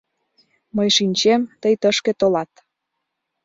Мый шинчем, тый тышке толат...